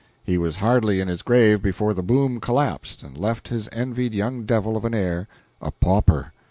He was hardly in his grave before the boom collapsed and left his hitherto envied young devil of an heir a pauper.